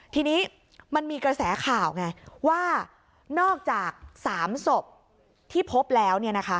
ทีนี้มันมีกระแสข่าวไงว่านอกจาก๓ศพที่พบแล้ว